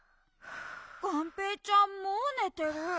がんぺーちゃんもうねてる。